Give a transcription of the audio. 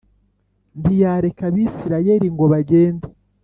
ntiyareka Abisirayeli ngo bagende